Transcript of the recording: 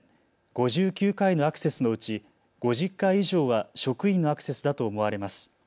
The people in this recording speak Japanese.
５９回のアクセスのうち５０回以上は職員のアクセスだと思われます。